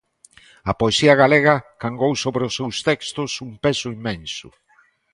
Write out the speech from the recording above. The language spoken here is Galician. A poesía galega cangou sobre os seus textos un peso inmenso.